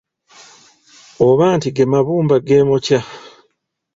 Oba nti, “Gemabumba gemookya?